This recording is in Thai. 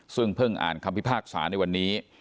ซึ่งเพิ่งอ่านคำพิพากษาในวันนี้